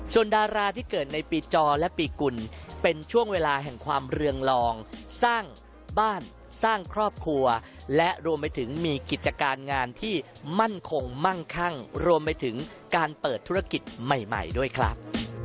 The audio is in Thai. ส่วนดาราที่เกิดในปีจอและปีกุลเป็นช่วงเวลาแห่งความเรืองลองสร้างบ้านสร้างครอบครัวและรวมไปถึงมีกิจการงานที่มั่นคงมั่งคั่งรวมไปถึงการเปิดธุรกิจใหม่ด้วยครับ